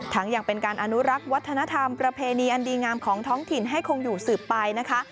ยังเป็นการอนุรักษ์วัฒนธรรมประเพณีอันดีงามของท้องถิ่นให้คงอยู่สืบไปนะคะ